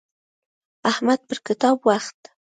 احمد پر کتاب وخوت.